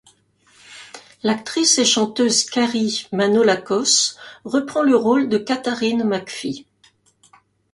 L'actrice et chanteuse Carrie Manolakos reprend le rôle de Katharine McPhee.